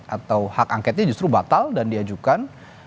atau hak angketnya justru batal dan diajukan